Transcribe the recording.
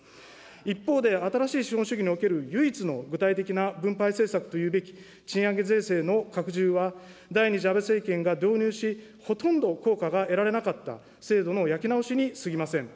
一方で、新しい資本主義における唯一の具体的な分配政策というべき賃上げ税制の拡充は、第２次安倍政権が導入し、ほとんど効果が得られなかった制度の焼き直しにすぎません。